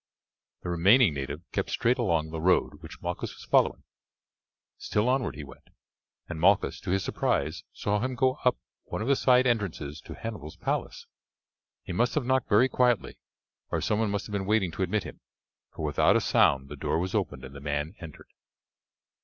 The remaining native kept straight along the road which Malchus was following. Still onward he went, and Malchus, to his surprise, saw him go up to one of the side entrances to Hannibal's palace. He must have knocked very quietly, or someone must have been waiting to admit him, for without a sound the door was opened and the man entered.